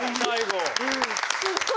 すごい！